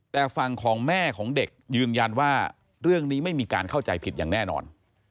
แต่ฝั่งของแม่ของเด็กยืนยันว่าเรื่องนี้ไม่มีการเข้าใจผิดอย่างแน่นอน